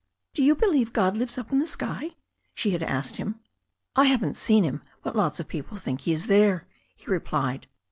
"Do you believe God lives up in the sky?" she had asked him. "I haven't seen Him, but lots of people think He is there," he replied.